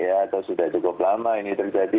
atau sudah cukup lama ini terjadi